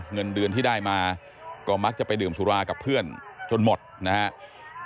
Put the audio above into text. เงินเดือนที่ได้มาก็มักจะไปดื่มสุรากับเพื่อนจนหมดนะครับ